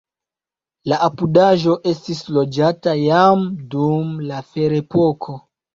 La apudaĵo estis loĝata jam dum la ferepoko.